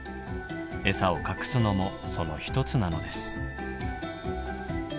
エサを隠すのもその一つなのです。